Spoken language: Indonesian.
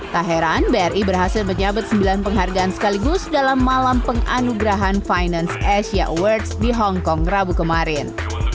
tak heran bri berhasil menyabet sembilan penghargaan sekaligus dalam malam penganugerahan finance asia awards di hongkong rabu kemarin